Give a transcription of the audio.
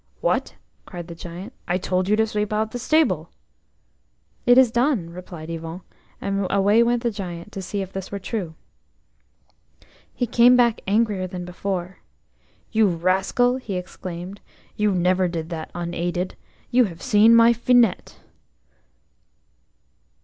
"What!" cried the Giant; "I told you to sweep out the stable." "It is done," replied Yvon, and away went the Giant to see if this were true. He came back angrier than before. "You rascal," he exclaimed, "you never did that unaided. You have seen my Finette."